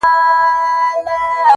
دریم یار په ځان مغرور نوم یې دولت وو-